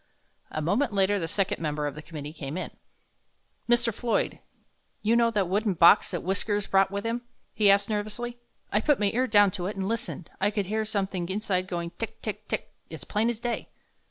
A moment later the second member of the committee came in. "Mr. Floyd, you know that wooden box that 'Whiskers' brought with him?" he asked, nervously; "I put my ear down to it and listened. I could hear something inside going tick, tick, tick, as plain as day."